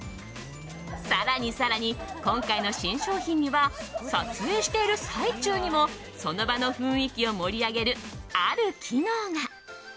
更に更に、今回の新商品には撮影している最中にもその場の雰囲気を盛り上げるある機能が。